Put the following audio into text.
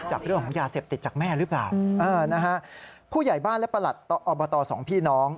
จากเรื่องของยาเสพติดจากแม่หรือเปล่านะฮะผู้ใหญ่บ้านและประหลัดอบตสองพี่น้อง